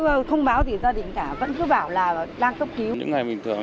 cứ thông báo gì gia đình cả vẫn cứ bảo là đang cấp cứu